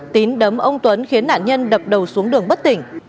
tín đấm ông tuấn khiến nạn nhân đập đầu xuống đường bất tỉnh